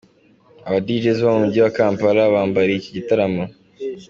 Aba Djs bo mu mujyi wa Kampala bambariye iki gitaramo.